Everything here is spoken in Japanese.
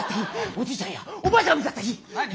おじいちゃんやおばあちゃんが見たっていい。